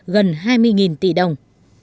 gần hai mươi tỷ đồng